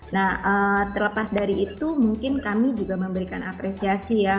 nah terlepas dari itu mungkin kami juga memberikan apresiasi ya